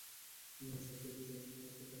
চাচা, এটা চাচির জন্য আজকের পার্টির ভিডিও ডিস্ক।